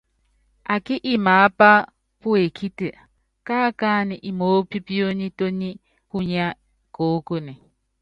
Ákí imaápa puekíti, káakánɛ́ imoópionítóní kunyá koókone.